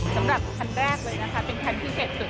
สำหรับคันแรกเลยนะคะเป็นคันพิเศษสุด